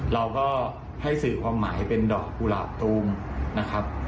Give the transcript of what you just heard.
เราก็ให้สื่อความหมายเป็นดอกกุหลาบตูมนะครับ